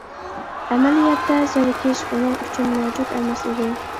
ئەمەلىيەتتە، زېرىكىش ئۇنىڭ ئۈچۈن مەۋجۇت ئەمەس ئىدى.